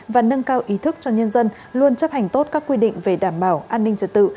và nâng cao ý thức cho nhân dân luôn chấp hành tốt các quy định về đảm bảo an ninh trật tự